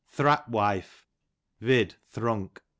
Thrap wife, vid. thrunk.